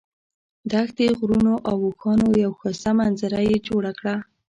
د دښتې، غرونو او اوښانو یوه ښایسته منظره یې جوړه کړه.